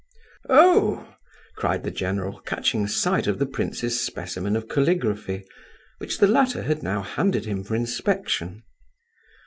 "Oh!" cried the general, catching sight of the prince's specimen of caligraphy, which the latter had now handed him for inspection.